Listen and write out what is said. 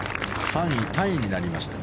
３位タイになりました。